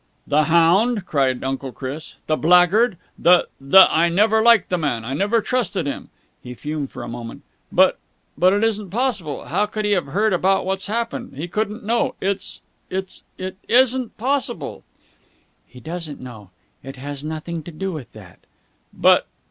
"The hound!" cried Uncle Chris. "The blackguard! The the I never liked that man! I never trusted him!" He fumed for a moment. "But but it isn't possible. How can he have heard about what's happened? He couldn't know. It's it's it isn't possible!" "He doesn't know. It has nothing to do with that." "But...."